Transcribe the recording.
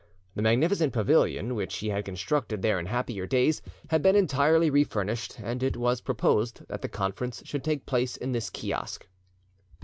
The magnificent pavilion, which he had constructed there in happier days, had been entirely refurnished, and it was proposed that the conference should take place in this kiosk.